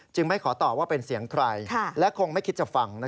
ไม่ขอตอบว่าเป็นเสียงใครและคงไม่คิดจะฟัง